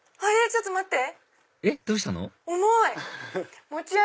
ちょっと待って！